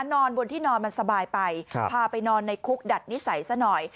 นอนบนที่นอนมันสบายไปพาไปนอนในคุกดัดนิสัยซะหน่อย